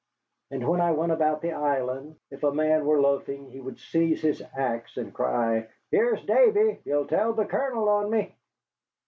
And when I went about the island, if a man were loafing, he would seize his axe and cry, "Here's Davy, he'll tell the Colonel on me."